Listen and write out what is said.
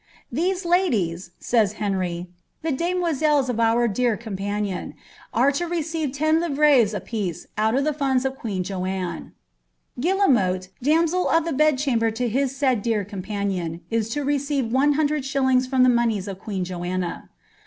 *^ These ladies," says Henry, ^ the demoiselles of our dear companion, are to receive ten licres a piece oat of the funds of queen Johane.^ Guillcmote, damsel of the bed chamber to his said dear companion, is to receive one hundred shillings from the moneys of queen Joanna."